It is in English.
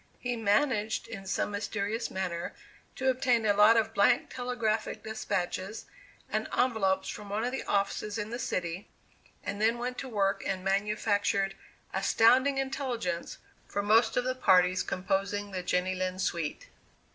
He managed in some mysterious manner to obtain a lot of blank telegraphic despatches and envelopes from one of the offices in this city, and then went to work and manufactured 'astounding intelligence' for most of the parties composing the Jenny Lind suite.